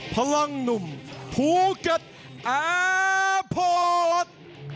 พลังหนุ่มภูเก็ตอาพอร์ต